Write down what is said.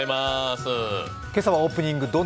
今朝はオープニング